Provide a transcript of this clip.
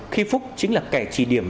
khi phúc chính là kẻ trì điểm